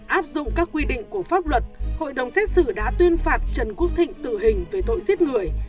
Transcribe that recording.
áp dụng các quy định của pháp luật hội đồng xét xử đã tuyên phạt trần quốc thịnh tử hình về tội giết người